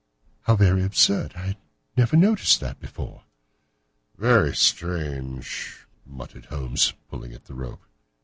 "How very absurd! I never noticed that before." "Very strange!" muttered Holmes, pulling at the rope.